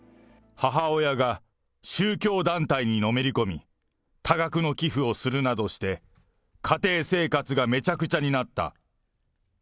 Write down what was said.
母親が宗教団体にのめり込み、多額の寄付をするなどして、家庭生活がめちゃくちゃになった。